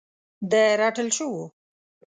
د رټل شوو